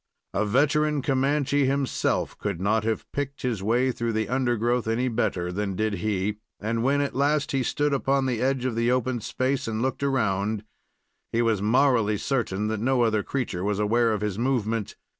A veteran Comanche, himself, could not have picked his way through the undergrowth any better than did he; and, when at last he stood upon the edge of the open space and looked around, he was morally certain that no other creature was aware of his movement.